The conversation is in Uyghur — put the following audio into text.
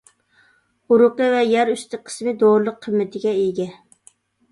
ئۇرۇقى ۋە يەر ئۈستى قىسمى دورىلىق قىممىتىگە ئىگە.